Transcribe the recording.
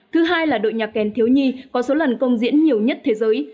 thứ hai là đội nhạc kèn thiếu nhi có số lần công diễn nhiều nhất thế giới